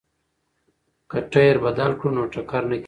که ټایر بدل کړو نو ټکر نه کیږي.